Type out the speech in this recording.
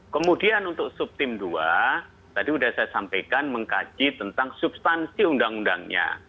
kemudian untuk subtim dua tadi sudah saya sampaikan mengkaji tentang substansi undang undangnya